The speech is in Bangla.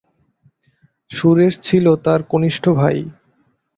সুরেশ ছিল তাঁর কনিষ্ঠ ভাই।